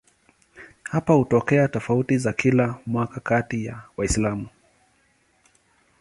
Hapa hutokea tofauti za kila mwaka kati ya Waislamu.